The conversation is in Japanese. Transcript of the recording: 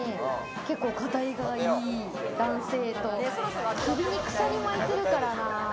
結構ガタイがいい男性と、首に鎖巻いてるからな。